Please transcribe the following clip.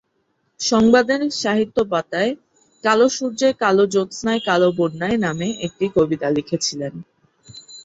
সংবাদের সাহিত্যপাতায় 'কালো সূর্যের কালো জ্যোৎসায় কালো বন্যায়' নামে একটি কবিতা লিখেছিলেন।